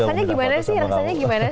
rasanya gimana sih